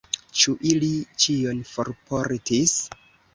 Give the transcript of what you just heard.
Ĉu ili ĉion forportis?